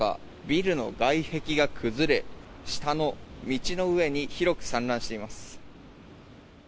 ビルの外壁が崩れ下の道の上に広く散乱しています。